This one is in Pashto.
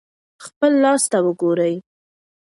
خپل لاس ته وګورئ.